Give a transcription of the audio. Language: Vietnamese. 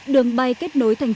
đường bay kết nối tp hcm